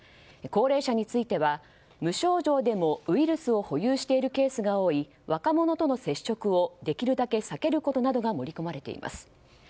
高齢者については無症状でもウイルスを保有しているケースが多い若者との接触をできるだけ避けることなどが盛り込まれています。